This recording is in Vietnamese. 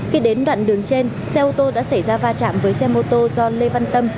khi đến đoạn đường trên xe ô tô đã xảy ra va chạm với xe mô tô do lê văn tâm